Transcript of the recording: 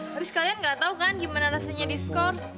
habis kalian gak tau kan gimana rasanya di skors